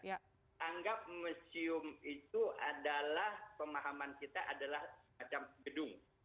anggap museum itu adalah pemahaman kita adalah semacam gedung